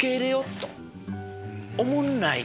「おもろない」